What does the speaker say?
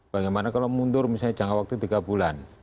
bagaimana kalau mundur misalnya jangka waktu tiga bulan